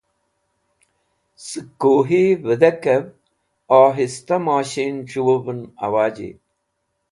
Sẽk Kuhi Fidekev Ohista Mosheen C̃huwuvn Awaji